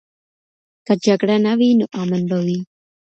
که جګړه نه وي، نو امن به وي.